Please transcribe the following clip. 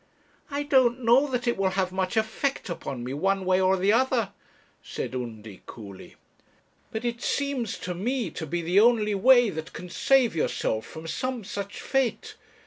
'I don't know that it will have much effect upon me, one way or the other,' said Undy, coolly; 'but it seems to me to be the only way that can save yourself from some such fate.